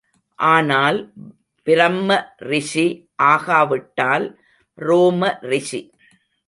ஆனால் பிரம்ம ரிஷி ஆகாவிட்டால் ரோம ரிஷி.